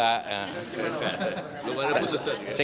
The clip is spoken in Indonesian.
belum ada putusan